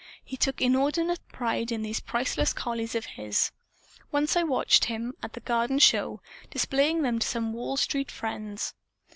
He took inordinate pride in these priceless collies of his. Once I watched him, at the Garden Show, displaying them to some Wall Street friends.